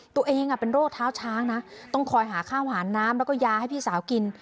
ตัวเองเป็นโรคเท้าช้างนะต้องคอยหาข้าวหาน้ำแล้วก็ยาให้พี่สาวกิน